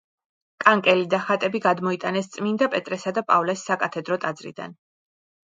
კანკელი და ხატები გადმოიტანეს წმინდა პეტრესა და პავლეს საკათედრო ტაძრიდან.